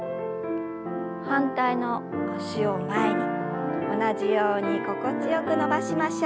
反対の脚を前に同じように心地よく伸ばしましょう。